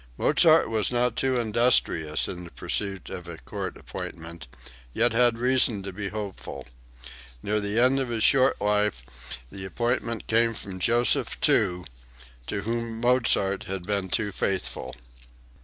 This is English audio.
Mozart was not too industrious in the pursuit of a court appointment, yet had reason to be hopeful. Near the end of his short life the appointment came from Joseph II, to whom Mozart had been too faithful.)